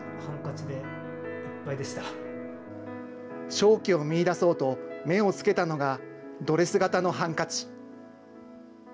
商機を見いだそうと、目をつけたのが、ドレス型のハンカチ。